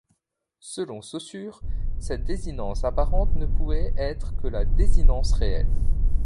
Selon Saussure, cette désinence apparente ne pouvait être que la désinence réelle.